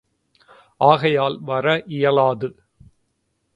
ஆகையால் வர இயலாது.